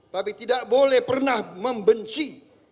tapi tidak boleh pernah membenci